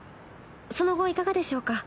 その後いかがでしょうか？